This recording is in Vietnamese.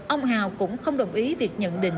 ông hào cũng không đồng ý việc nhận định